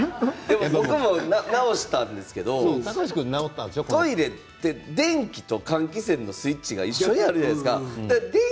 僕も直したんですけどトイレって電気と換気扇のスイッチが一緒じゃないですか。